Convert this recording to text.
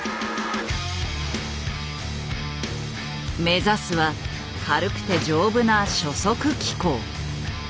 目指すは軽くて丈夫な初速機構。